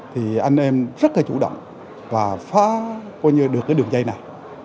thì anh em rất là chủ động và phá được đường dây này